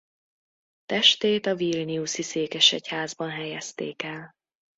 Testét a vilniusi székesegyházban helyezték el.